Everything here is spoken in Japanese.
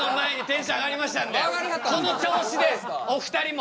この調子でお二人も。